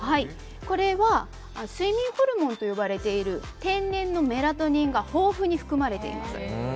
これは睡眠ホルモンと呼ばれている天然のメラトニンが豊富に含まれています。